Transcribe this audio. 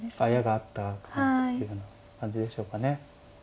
あやがあったというような感じでしょうかね。